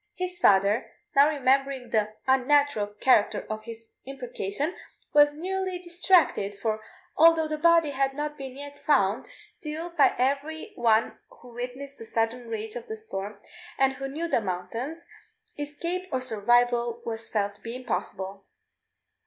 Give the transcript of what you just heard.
His father, now remembering the unnatural character of his imprecation, was nearly distracted; for although the body had not yet been found, still by every one who witnessed the sudden rage of the storm and who knew the mountains, escape or survival was felt to be impossible.